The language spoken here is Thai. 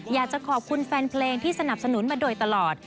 อยากจะขอบคุณแฟนเพลงที่สนับสนุนมาโดยตลอด